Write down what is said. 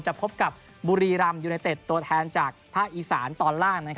พบกับบุรีรำยูไนเต็ดตัวแทนจากภาคอีสานตอนล่าง